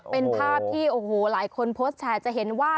เป็นภาพที่โอ้โหหลายคนโพสต์แชร์จะเห็นว่า